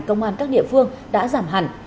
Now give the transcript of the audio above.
công an các địa phương đã giảm hẳn